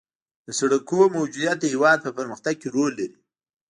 د سرکونو موجودیت د هېواد په پرمختګ کې رول لري